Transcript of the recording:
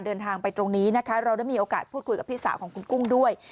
เดินทางไปตรงนี้นะคะเราได้มีโอกาสพูดคุยกับพี่สาวของคุณกุ้งด้วย